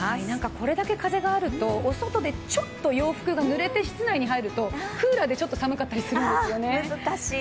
これだけ風があるとお外で洋服がぬれて室内に入るとクーラーでちょっと寒かったりするんですよね